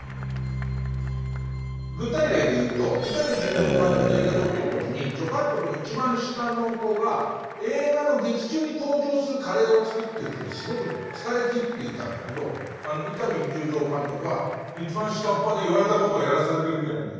具体例でいうと伊丹十三監督と映画撮ってる時に助監督の一番下の子が映画の劇中に登場するカレーを作ってる時すごく疲れきっていたんだけど伊丹十三監督は「一番下っ端で言われたことをやらされてるんじゃないんだよ。